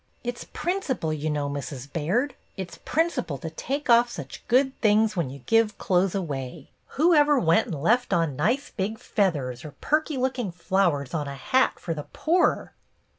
"It's principle, you know, Mrs. Baird, it 's principle to take off such good things when you give clothes away. Whoever DEAR OLD MISS JANE 29 went and left on nice big feathers or perky lookin' flowers on a hat fer the j^oor